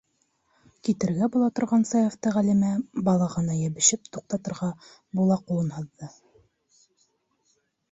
- Китергә була торған Саяфты Ғәлимә балағына йәбешеп туҡтатырға була ҡулын һуҙҙы.